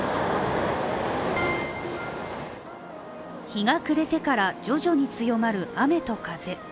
日が暮れてから、徐々に強まる雨と風。